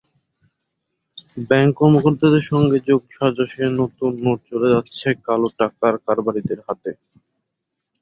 Bank কর্মকর্তাদের সঙ্গে যোগসাজশে নতুন নোট চলে যাচ্ছে কালো টাকার কারবারিদের হাতে।